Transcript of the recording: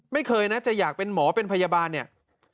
ไม่เคยนะจะอยากเป็นหมอเป็นพยาบาลเนี่ย